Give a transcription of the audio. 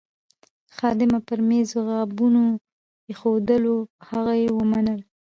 خادمه پر میزو غابونه ایښوول، هغه یې ومنل.